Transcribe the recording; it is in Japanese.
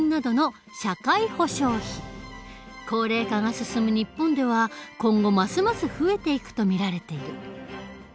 高齢化が進む日本では今後ますます増えていくと見られている。